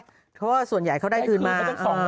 เพราะว่าส่วนใหญ่เขาได้คืนมา